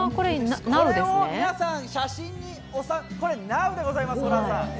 これを皆さん、写真にこれナウでございます、ホランさん。